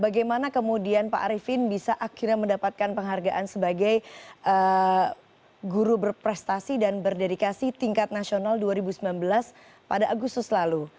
bagaimana kemudian pak arifin bisa akhirnya mendapatkan penghargaan sebagai guru berprestasi dan berdedikasi tingkat nasional dua ribu sembilan belas pada agustus lalu